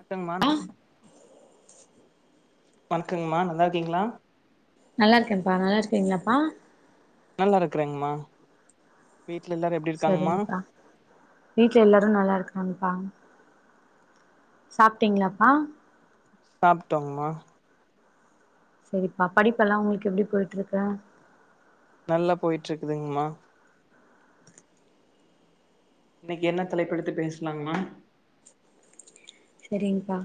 அட்டங்கமானு வணக்ங்கம்மா நல்லா இருக்கீங்களா நல்லா இருக்கேன்ப்பா நல்லாயிருக்கீங்களாப்பா நல்லா இருக்கறேங்கம்மா வீட்ல எல்லாரு எப்டி சரிங்க்ப்பா வீட்ல எல்லாரு நல்லா இருக்காங்பா சாப்ட்டீங்களாப்பா சாப்டோங்மா சரிப்பா படிப்பெல்லா உங்களுக்கு எப்டி போயிட்டு இருக்கு நல்லா போயிட்டு இருக்குதுங்ம்மா இன்னைக்கு என்ன தலைப்பெடுத்து பேசலாங்ம்மா சரிங்பா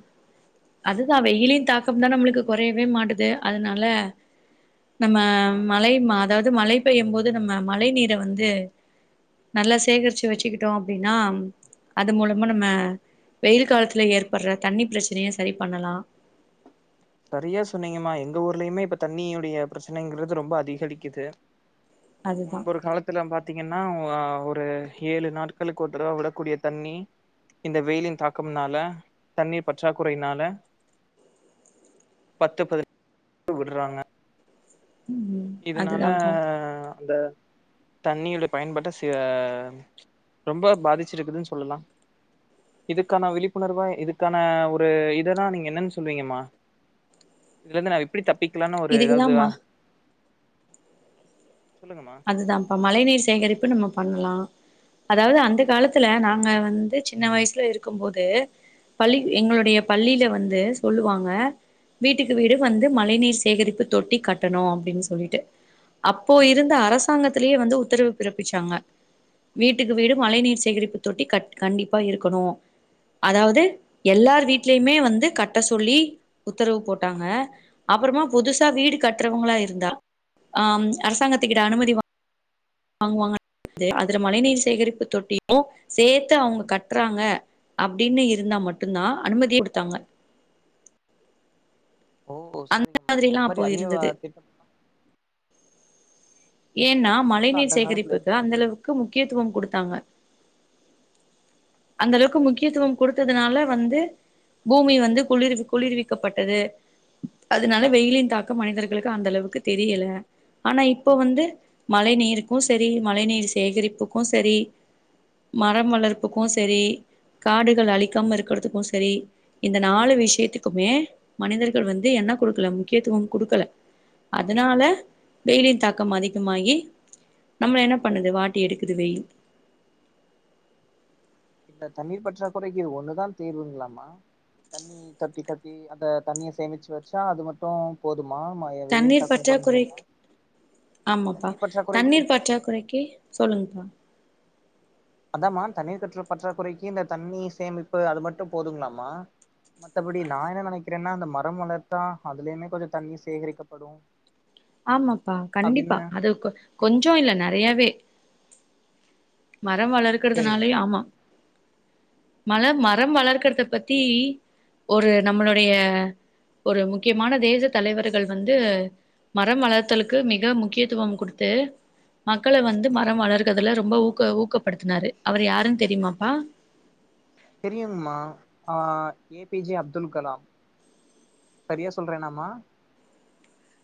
அதுதா வெயிலின் தாக்கம் தா நம்மளுக்கு கொறையவே மாட்டுது அதனால நம்ம ஆ மழை ம அதாவது மழை பெய்யும் போது நம்ம மழை நீரை வந்து நல்லா சேகரிச்சு வெச்சுக்கிட்டோ அப்டினா அது மூலமா நம்ம வெயில் காலத் லா ஏற்படுற தண்ணி பிரச்சனைய சரி பண்ணலா சரியா சொன்னீங்கம்மா எங்க ஊர்லயுமே இப்ப தண்ணியுடைய பிரச்சனைங்கிறது ரொம்ப அதிகளிக்குது அதுதா முன்பொரு காலத் துல பாத்தீங்கன்னா ஒரு ஏழு நாட்களுக்கு ஒருதடவ விடக்கூடிய தண்ணி இந்த வெயிலின் தாக்கமுனால தண்ணீர் பற்றாக்குறைனால பத்து பதினஞ் உடுறாங்க ம் இதனால அதுதான்ப்பா அந்த தண்ணியோடைய பயன்பாட்ட செ ரொம்ப பாதிச்சிருக்குதுன்னு சொல்லலா இதுக்கான விழிப்புணர்வா இதுக்கான விழிப்புனர்வா இதுக்கான ஒருஇதெல்லா நீங்க என்னன்னு சொல்லுவீங்கம்மா இதுலருந்து நா எப்படி தப்பிக்லானெ ஒரு ஏதாது இதுக்குதாம்மா சொல்லுங்கம்மா அதுதாப்பா மழ நீர் சேகரிப்பு நம்ம பண்லா அதாவது அந்த காலத்துல நாங்க வந்து சின்ன வயசுல இருக்கும் போது பள்ளி எங்களுடைய பள்ளில வந்து சொல்லுவாங்க வீட்டுக்கு வீடு வந்து மழை நீீர் சேகரிப்பு தொட்டி கட்டணு அப்டின்னு சொல்லிட்டு அப்போ இருந்து த்த அரசாங்கத்திலே வந்து உத்தரவு பிறப்பிச்சாங்க வீட்டுக்கு வீடு மழை நீீர் சேகரிப்பு தொட்டி கட் கண்டிப்பா இருக்கணு அதாவது எல்லார் வீட்லயுமே வந்து கட்ட சொல்லி உத்தரவு போட்டாங்க அப்பறமா புதுசா வீடு கட்றவங்ளா இருந்தா ஆ அரசாங்கத்துகிட்ட அனுமதி வா வாங்வாங்க அதுல மழை நீர் சேகரிப்பு தொட்டியு சேத்து அவுங்க கட்றாங்க அப்படின்னு இருந்தா மட்டுந்தா அனுமதி குடுத்தாங்க ஓ அந்த சரிங்கம்மா இந்த மாரிலா மாரி அப்போ அரிய இருந்துது திட்டம்லா இந்த ஏன்னா மாரி மழை திட்டம்லா நீீர் அந்த காலத்துல சேகரிப்புக்கு இருக்கு அந்தளவுக்கு முக்கியத்துவொ குடுத்தாங்க அந்தளவுக்கு முக்கியத்துவொ குடுத்ததுனால வந்து பூமி வந்து குளிரிது குளிர்விக்கப்பட்டது அதனால வெயிலின் தாக்கொ மனிதர்களுக்கு அந்தளவுக்கு தெரியல ஆனா இ ப்போ வந்து மழை நீருக்கு சரி மழை நீர் சேகரிப்புக்கு சரி மரம் வளர்ப்புக்கு சரி காடுகள் அழிக்காம இருக்றதுக்கு சரி இந்த நாலு விஷயத்துக்குமே மனிதர்கள் வந்து என்ன குடுக்கல முக்கியத்துவொ குடுக்கல அதனால வெய்லின் தாக் கம் அதிகமாகி நம்ள என்ன பண்ணுது வாட்டி எடுக்குது வெயில் இந்த தண்ணீர் பற்றாகுறைக்கு இது ஒன்னுதா தீர்வுங்ளாமா தண்ணி தொட்டி கட்டி அந்த தண்ணிய சேமிச்சு வச்சா அது மட்டு போதுமா மா வெயில் தண்ணீர் தாக்கொ பற்றாக்குறை கொறைஞ்சிருமா ஆமாப்பா தண்ணீர் பற்றாக்குறைக்கு சொல்லுங்கப்பா அதாம்மா தண்ணீர் கற்றப்பற்றாக் கொறைக்கி இந்த தண்ணி சேமிப்பு அது மட்டு போதுங்களாமா மத்தபடி நா என்ன நெனைக்கிறேனா மரொ வளத்தா கொஞ்சொ தண்ணி சேகரிக்கப்படு ஆமாப்பா கண்டிப்பா அப்டின்னு அது கொ கொஞ்சம் இல்ல நெறையாவே மரம் வளர்க்கறதுனாலே செரிங்கம்மா ஆமா மழ மரம் வளர்க்கறத பத்தி ஒரு நம்மளுடைய ஒரு முக்கியமான தேசத் தலைவர்கள் வந்து மரம் வளர்த்தலுக்கு மிக முக்கியத்துவம் குடுத்து மக்கள வந்து மரம் வளர்க்கதுல ரொம்ப ஊக்கோ ஊக்கப்படுத்துனாரு அவரு யாருன் தெரியுமாப்பா தெரியுங்மா ஆ A P J Abdul Kalam சரியா சொல்றனாமா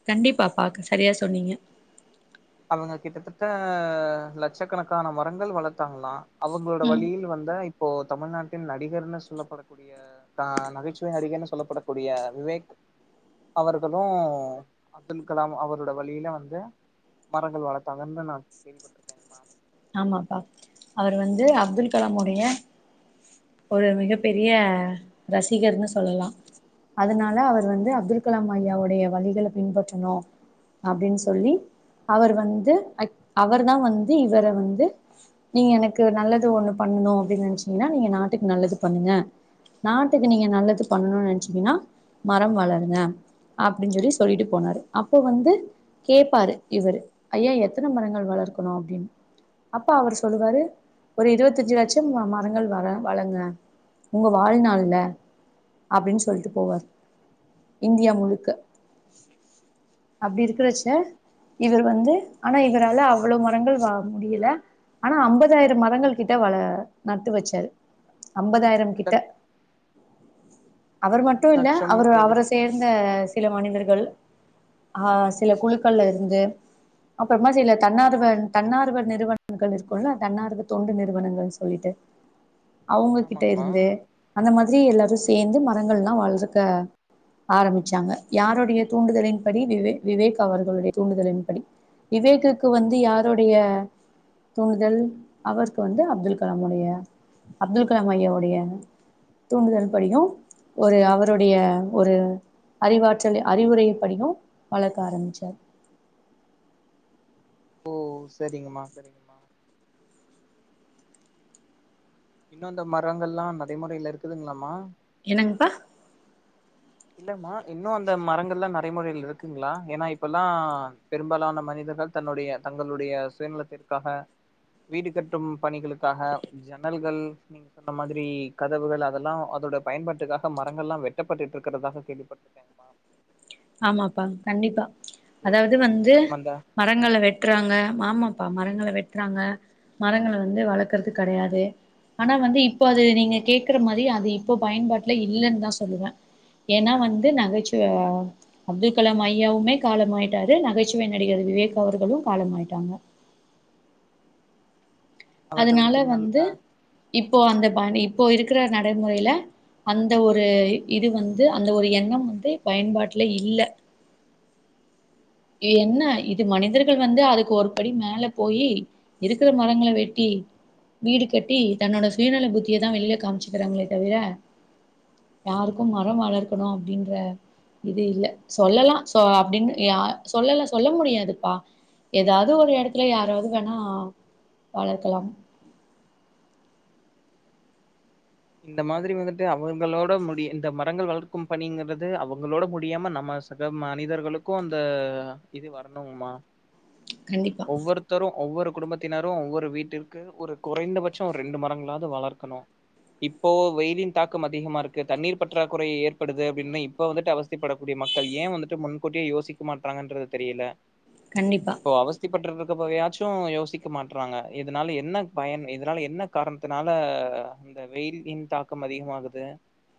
கண்டிப்பா பாக்க சரியா சொன்னீங்க அவங்க கிட்டத்தட்ட லட்சக்கணக்கான மரங்கள் வளத்தாங்ளா அவங்களோட ம் வழியில்ல வந்த இப்போ தமிழ்நாட்டின் நடிகர்ன்னு சொல்லப்படக்கூடிய அ தான் நகைச்சுவை நடிகன்னு சொல்லப்படக்கூடிய விவேக் அவர்களு அப்துல் கலாம் அவரோட வழியில வந்து மரங்கள் வளத்தாங்கன் தா நா கேள்விப்பட்ருக் ஆமாப்பா அவர் வந்து அப்துல் கலாமுடைய ஒரு மிக பெரிய ரசிகர்னு சொல்லலா அதுனால அவர் வந்து அப்துல் கலாம் ஐயாவுடைய வழிகள பின்பற்றணு அப்டின் சொல்லி அவர் வந்து அய் அவர் தா வந்து இவர வந்து நீங்க எனக்கு நல்லது ஒண்ணு பண்ணனு அப்டின் நெனச்சிங்னா நீங்க நாட்டுக்கு நல்லது பண்ணுங்க நாட்டுக்கு நீங்க நல்லது பண்ணனுன் நெனச்சிங்னா மரம் வளருங்க அப்டின் சொல்லி சொல்லிட்டு போனாரு அப்போ வந்து கேப்பாரு இவரு ஐயா எத்தன மரங்கள் வளர்க்கணு அப்டின் அப்ப அவர் சொல்லுவாரு ஒரு இருவத்தஞ்சு லட்சம் ம மரங்கள் வள வளங்க உங்க வாழ்நாள்ல அப்டின் சொல்ட்டு போவாரு இந்தியா முழுக்க அப்டி செரிங்கம்மா இருக்குறச்ச செரி இவர் வந்து ஆனா இவரால அவ்வளோ மரங்கள் வா முடியல ஆனா அம்பதாயிரம் மரங்கள் கிட்ட வள நட்டு வெச்சாரு அம்பதாயிரம் இரண்டு கிட்ட லட் அவரு மட்டு இரண்டு இல்ல லட்சம்னு அவரு அவர கேள்விப்பட் சேந்த சில மனிதர்கள் ஆ சில குழுக்கள்ல இருந்து அப்ப என்ன செய்லா தன்னார்வ தன்னார் ர்வர் நிறுவனங்கள் இருக்குல்ல தன்னார்வு தொண்டு நிறுவனங்கள் சொல்லிட்டு அவுங்க கிட்ட ஆமாங்கம்மா இருந்து அந்த மாதிரி எல்லாரு சேந்து மரங்கள்லா வளர்க்க ஆரம்மிச்சாங்க யாருடைய தூண்டுதலின் படி விவே விவேக் அவர்களுடைய தூண்டுதலின் படி விவேக்குக்கு வந்து யாருடைய துணிதல் அவருக்கு வந்து அப்துல் கலாம் உடைய அப்துல் கலாம் ஐயாவுடைய தூண்டுதல் படியு ஒரு அவருடைய ஒரு அறிவாற்றல்லு அறிவுரைய படியு வளர்க்க ஆரம்மிச்சாரு ஓ சேரிங்கம்மா சேரிங்கம் இன்னு இந்த மரங்கள்லா நடைமுறையில இருக்குதுங்ளாமா என்னங்ப்பா இல்லம்மா இன்னு அந்த மரங்கள்லா நறைமுறையில் இருக்குங்ளா ஏன்னா இப்பெல்லாங் பெரும்பாலான மனிதர்கள் தன்னுடைய தங்களுடைய சுயநிலத்திற்காக வீடு கட்டும் பணிகளுக்காக ஜன்னல்கள் நீ நீங்க சொன்ன மாதிரி கதவுகள் அதெல்லா அதோட பயன்பாட்டுக்காக மரங்கள்லா வெட்டப்பட்டுட்ருக் க்குறதாக கேள்விப்பட்ருக்க ஆமாப்பா கண்டிப்பா அதாவது வந்து ஆமாண்டா மரங்கள வெட்றாங்க மாமப்பா மரங்கள வெட்றாங்க மரங்கள வந்து வளக்கறது கெடையாது ஆனா வந்து இப்போ அது நீங்க கேக்ற மாரி அது இப்ப பயன்பாட்டுல இல்லேனு தா சொல்லுவ ஏனா வந்து நகைச்சுவையா அப்துல்கலாம் ஐயாவுமே காலமாயிட்டாரு நகைச்சுவை நடிகர் விவேக் அவர்களு காலம் ஆயிட்டாங்க அவர்களுக்கு அதனால பின்னால் வந்து அ இப்போ அந்த பான்டி இப்போ இருக்ற நடைமுறையில அந்த ஒரு இது வந்து அந்த ஒரு எண்ணம் வந்து பயன்பாட்ல இல்ல ஏ ஓ என்ன இது சரி மனிதர்கள் வந்து அதுக்கு ஒரு படி மேலப் போயி இருக்ற மரங்கள வெட்டி வீடு கட்டி தன்னோட சுயநல புத்திய தா வெளில காமிச்சிக்கிறாங்களே தவிர யாருக்கு மரோ வளர்க்கணு அப்டின்ற இது இல்ல சொல்லலா சொ அப்டினு யா சொல்லல சொல்ல முடியாதுப்பா ஏதாவது ஒரு எடத்துல யாராவது வேணா வளர்க்கலாம் இந்த மாதிரி வந்துட்டு அவங்களோட முடி இந்த மரங்கள் வளர்க்கும் பணிங்கறது அவங்களோட முடியாம நம்ம ஸ் இந்த மனிதர்களுக்கு அந்த இது வரணுங்கம்மா கண்டிப்பா ஒவ்வொரு த்தரு ஒவ்வொரு குடும்பத்தினரு ஒவ்வொரு வீட்டிற்கு ஒரு குறைந்தபட்சம் ரெண்டு மரங்களாவது வளர்க்கணு இப்போ வெயிலின் தாக்கம் அதிகமா இருக்கு தண்ணீர் பற்றாக்குறை ஏற்படுது அப்டின்னு இப்போ வந்துட்டு அவஸ்திப்படக்கூடிய மக் கள் ஏ வந்துட்டு முன்கூட்டியே யோசிக்க மாட்டறாங்கன்றது தெரியல கண்டிப்பா இப்போ அவஸ் திபட்றதுக்கு போகயாச்சு யோசிக்க மாட்றாங்க இதனால என்ன பயன் இதனால என்ன காரணத்தினால அந்த வெயிலின் தாக்கம் அதிகமாகுது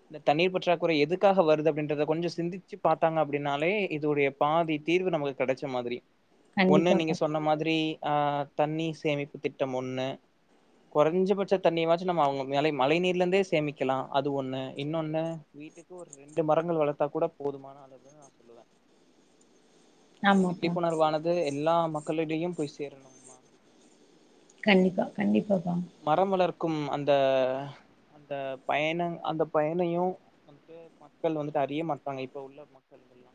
இந்த தண்ணீர் பற்றாக்குறை எதுக்காக வருது அப்டின்றது கொஞ்சோ சிந்திச்சி பாத்தாங்க அப்டினாலே இதுவுடையப் பாதி தீர்வு நமக்கு கெடைச்ச மாதிரி ஒன்னு நீங்க கண்டிப்பாப்பா சொன்ன மாதிரி ஆ தண்ணி சேமிப்பு திட்டம் ஒன்னு குறைஞ்சபட்ச தண்ணியவாச்சி நம்ம அவுங்கம் மேலே மழை நீர்ல இருந்தே சேமிக்கிலா அது ஒன்னு இன்னொன்னு வீட் ஒரு ரெண்டு மரங்கள் வளர்த்தா கூட போதுமான அளவுன்னு நா சொல்லுவ இந்த ஆமாப்பா விழிப்புணர்வானது எல்லா மக்களிடையு போய் சேரணும் கண்டிப்பா கண்டிப்பா பா மரம் வளர்க்கும் அந்த அந்த பயன அந்த பயனையு மக்கள் வந்துட்டு அறிய மாட்டாங்க இப்ப உள்ள மக்கள் எல்லா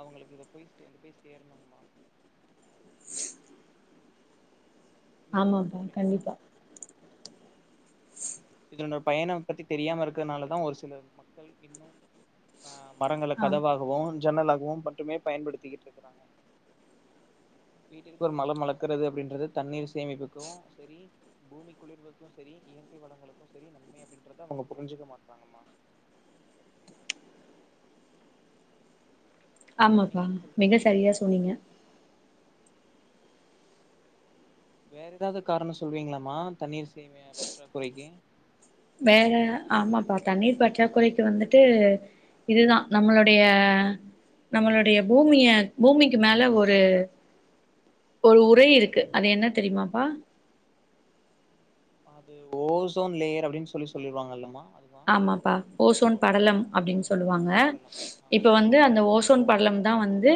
அவுங்களுக்கு இதுபே சேந்துபே சேரணுமா நீங்க என்ன ஆமாப்பா சொல்றீங்கம்மா கண்டிப்பா இதனோட பயன பத்தி தெரியாம இருக்கிறதுனாலதா ஒரு சில மக்கள் இன்னு ஆமரங்கள ஆ கதவாகவோ ஜன்னலாகவோ மட்டுமே பயன்படுத்திக்கிட்டு இருக்கறாங்க வீட்டிக்கு ஒரு மரம் வளக்கறது அப்டின்றது தண்ணீர் சேமிப்புக்கு செரி பூமி குளிர்வுக்கும் செரி இயற்கை வளங்களுக்கு செரி நன்மை அப்டின்றத அவுங்க புரிஞ்சிக்க மாட்றாங்கமா நீங்க ஆமாப்பா என்ன மிக சொல்றீங்கம்மா சரியா சொன்னீங்க வேற ஏதாவது காரணோ சொல்லுவீங்ளாமா தண்ணீர் சேமிய பற்றா குறைக்கி வேற ஆமாப்பா தண்ணீர் பற்றாக்குறைக்கு வந்துட்டு இதுதா நம்மளுடைய நம்மளுடைய பூமிய பூமிக்கு மேல ஒரு ஒரு உறை இருக்கு அது என்ன தெரியுமாப்பா அது ஓசோன் லேயர் அப்டின் சொல்லி சொல்லிருவாங்கல்லமா அது ஆமாப்பா ஓசோன் படலம் அப்டின் ஓசோன் சொல்லுவாங்க படலம் ஆ இப்போ வந்து அந்த ஓசோன் படலம் தா வந்து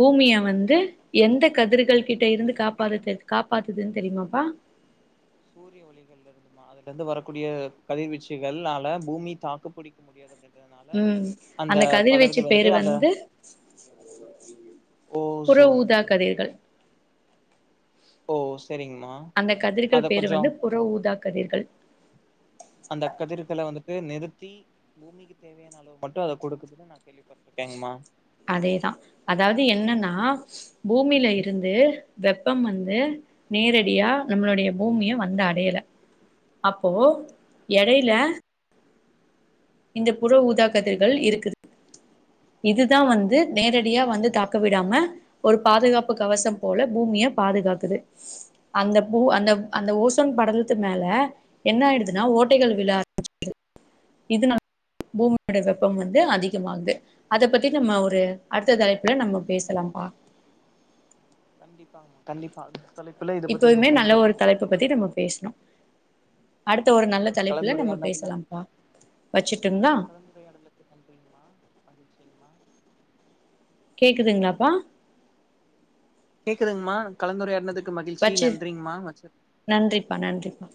பூமிய வந்து எந்த கதிர்கள் கிட்ட இருந்து காப்பாதது காப்பாத்துதுன் தெரியுமாப்பா சூரிய ஒளிகள்ல இருந்துமா அதுலருந்து வரக்கூடிய கதிர்வீச்சுகள்ளால பூமி தாக்குப்புடிக் க முடியாது அப்டின்றதுனால ம் அந்த கதிர்வீச்சு படர்கள் பேரு வந்துட்டு அந்த வந்து ஓஸ் புறஊதா கதிர்கள் ஓ சரிங்மா அந்த கதிர்கள் பேரு வந்து புற ஊதா கதிர்கள் அந்த கதிர்கள வந்துட்டு நிறுத்தி பூமி க்கு தேவையான அளவு மட்டு அத குடுக்குதுன்னு நா கேள்விப்பட்டுருக்கேங்மா அதேதா அதாவ்து என்னனா பூமில இருந்து வெப்பம் வந்து நேரடியா நம்மளுடைய பூமிய வந்தடையல அப்போ எடைல இந்த புற ஊதா கதிர்கள் இருக்குது இதுதா வந்து நேரடியா வந்து தாக்க விடாம ஒரு பாதுகாப்பு கவசம் போல பூமிய பாதுகாக்குது அந்த பூ அந்த அந்த ஓசோன் படலத்து மேல என்ன ஆயிடுதுன்னா ஓட்டைகள் விழ ஆரமி [inaudible] இதனால பூமியோட வெப்பம் வந்து அதிகமாகுது அத பத்தி நம்ம ஒரு அடுத்த தலைப்புல நம்ம பேசலாம்ப்பா கண்டிப்பாமா கண்டிப்பா அடுத்த தலைப்புல இத பத்தி நம்ம இப்பவுமே நல்ல கண்டிப்பா ஒரு பேசலா தலைப்ப பத்தி நம்ம பேசலா அடுத்த ஒரு நல்ல உங்களோட தலைப்புல நம்ம கலந்துரையாடுனதுல பேசலாம்ப்பா வச்சுட்டுங்லா உரையாடல்க்கு நன்றிங்மா மகிழ்ச்சிங்மா கேக்குதுங்ளாப்பா கேட்கதுங்மா கலந்துரையாடனதுக்கு மகிழ்ச்சி வச்சு நன்றிங்மா வச்சர நன்றிப்பா நன்றிப்பா